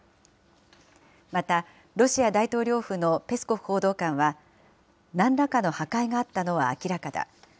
また、ロシア大統領府のペスコフ報道官は、なんらかの破壊があったのは明らかだ。